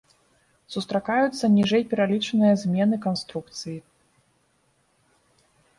Сустракаюцца ніжэй пералічаныя змены канструкцыі.